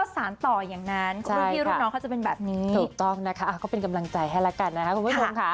สวัสดีครับ